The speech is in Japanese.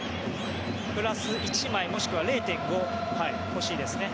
プラス１枚もしくは０．５欲しいですね。